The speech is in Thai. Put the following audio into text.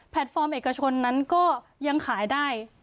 ฟอร์มเอกชนนั้นก็ยังขายได้